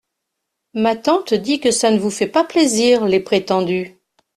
Ma tante dit que ça ne vous fait pas plaisir, les prétendus.